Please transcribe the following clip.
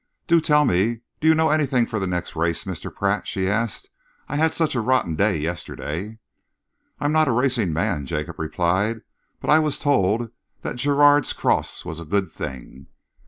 "Do tell me, do you know anything for the next race, Mr. Pratt?" she asked. "I had such a rotten day yesterday." "I'm not a racing man," Jacob replied, "but I was told that Gerrard's Cross was a good thing."